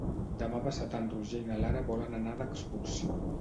Demà passat en Roger i na Lara volen anar d'excursió.